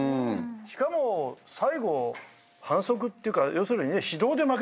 しかも最後反則っていうか要するに指導で負けたから。